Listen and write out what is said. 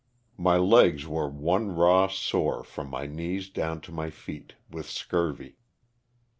My legs were one raw sore from my knees down to my feet, with scurvy.